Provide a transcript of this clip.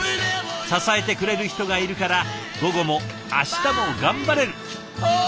支えてくれる人がいるから午後も明日も頑張れる。